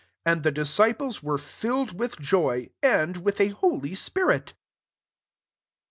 52 And the disciples were filled with joy, and with a holy spirit. Ch.